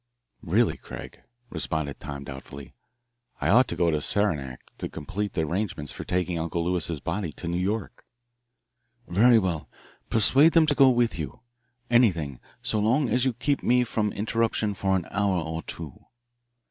"Really, Craig," responded Tom doubtfully, "I ought to go to Saranac to complete the arrangements for taking Uncle Lewis's body to New York." "Very well, persuade them to go with you. Anything, so long as you keep me from interruption for an hour or two."